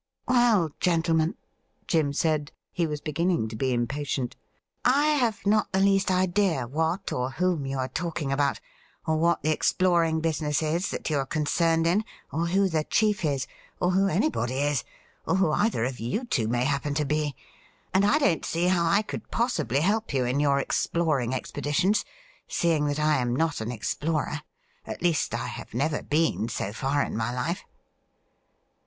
' Well, gentlemen,' Jim said — he was beginning to be impatient —' I have not the least idea what or whom you are talking about, or what the exploring business is that you are concerned in, or who the chief is, or who anybody is, or who either of you two may happen to be ; and I don't see how I could possibly help you in your exploring RECRUITING SERGEANT WALEY 97 expeditions, seeing that I am not an explorer — at least, I have never been so far in my life.'